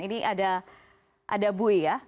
ini ada bui ya